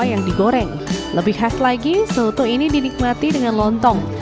yang digoreng lebih khas lagi soto ini dinikmati dengan lontong